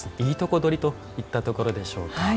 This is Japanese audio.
いいとこ取りといったところでしょうか。